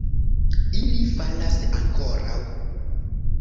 Ili falas ankoraŭ!